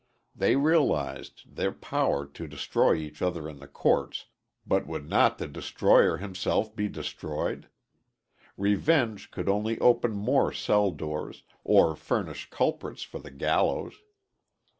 They realized their power to destroy each other in the courts, but would not the destroyer himself be destroyed? Revenge could only open more cell doors, or furnish culprits for the gallows.